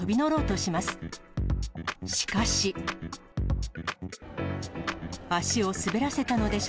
しかし。